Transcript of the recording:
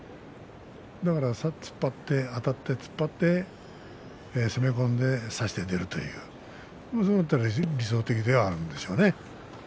だから突っ張ってあたって突っ張って、攻め込んで差して出るというそうなったら理想的ではあるんですよね。